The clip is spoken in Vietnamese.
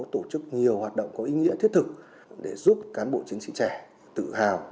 tổ chức nhiều hoạt động có ý nghĩa thiết thực để giúp cán bộ chiến sĩ trẻ tự hào